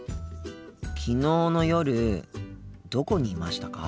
昨日の夜どこにいましたか？